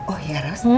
oh ya ros